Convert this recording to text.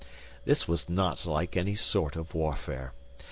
This was not like any sort of warfare.